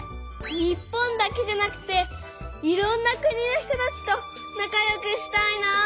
日本だけじゃなくていろんな国の人たちと仲よくしたいなあ。